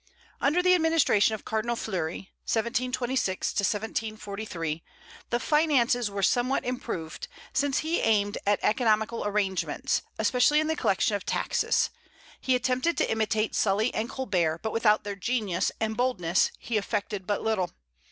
Under the administration of Cardinal Fleury (1726 1743) the finances were somewhat improved, since he aimed at economical arrangements, especially in the collection of taxes. He attempted to imitate Sully and Colbert, but without their genius and boldness he effected but little.